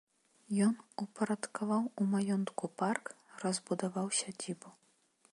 Ён упарадкаваў у маёнтку парк, разбудаваў сядзібу.